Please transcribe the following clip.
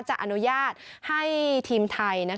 จะอนุญาตให้ทีมไทย